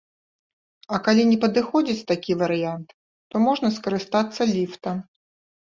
А калі не падыходзіць такі варыянт, то можна скарыстацца ліфтам.